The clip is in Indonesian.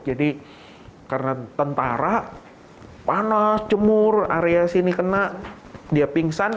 jadi karena tentara panas cemur area sini kena dia pingsan